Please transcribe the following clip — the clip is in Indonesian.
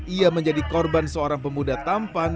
ia menjadi korban seorang pemuda tampan